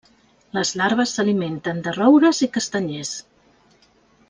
Les larves s'alimenten de roures i castanyers.